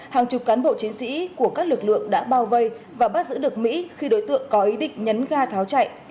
hàng chục cán bộ chiến sĩ của các lực lượng đã bao vây và bắt giữ được mỹ khi đối tượng có ý định nhấn ga tháo chạy